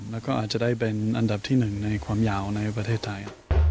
แล้วก็อาจจะได้เป็นอันดับที่๑ในความยาวในประเทศไทย